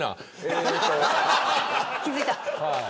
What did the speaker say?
気付いた。